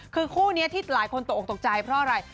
คือคู่นี้ที่หลายคนตกออกตกใจเพราะอะไร